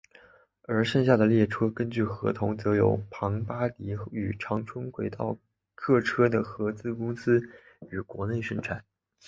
而剩下的列车根据合同则由庞巴迪与长春轨道客车的合资公司于国内生产。